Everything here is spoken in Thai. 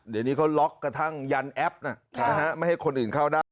เดี๋ยวนี้เขาล็อกกระทั่งยันแอปไม่ให้คนอื่นเข้าได้